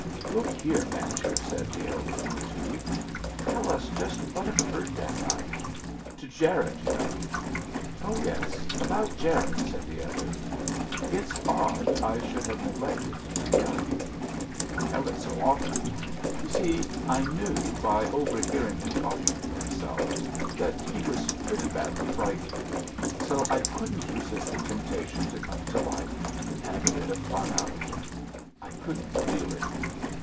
"Look here, Mancher," said the elder of the two, "tell us just what occurred that night to Jarette, you know." "Oh, yes, about Jarette," said the other. "It's odd I should have neglected to tell you I tell it so often. You see I knew, by over hearing him talking to himself, that he was pretty badly frightened. So I couldn't resist the temptation to come to life and have a bit of fun out of him I couldn't really.